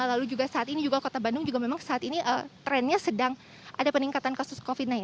lalu juga saat ini juga kota bandung juga memang saat ini trennya sedang ada peningkatan kasus covid sembilan belas